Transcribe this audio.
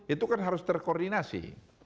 itu kan harus terkoordinasi